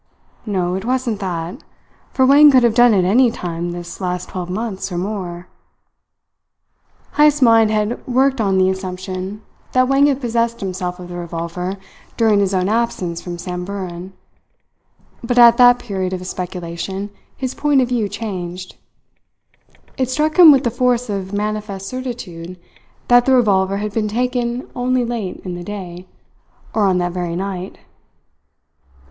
"No, it wasn't that. For Wang could have done it any time this last twelve months or more " Heyst's mind had worked on the assumption that Wang had possessed himself of the revolver during his own absence from Samburan; but at that period of his speculation his point of view changed. It struck him with the force of manifest certitude that the revolver had been taken only late in the day, or on that very night.